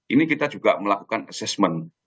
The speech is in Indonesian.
ini kita juga melakukan assessment